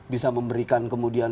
bisa memberikan kemudian